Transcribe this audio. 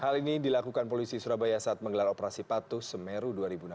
hal ini dilakukan polisi surabaya saat menggelar operasi patuh semeru dua ribu enam belas